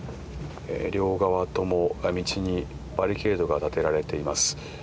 両側とも、道にバリケードが立てられています。